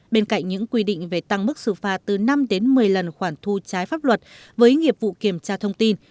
bên cạnh những quy định về tăng mức xử phạt từ năm đến một mươi lần khoản thu trái pháp luật với nghiệp vụ kiểm tra thông tin